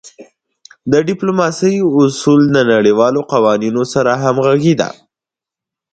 د ډیپلوماسی اصول د نړیوالو قوانینو سره همږغي لری.